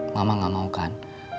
mama gak mau kan